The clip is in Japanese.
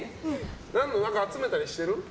何か集めたりしてる？